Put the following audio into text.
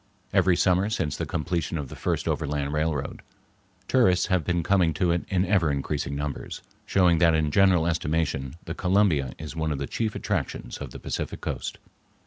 Every summer since the completion of the first overland railroad, tourists have been coming to it in ever increasing numbers, showing that in general estimation the Columbia is one of the chief attractions of the Pacific Coast.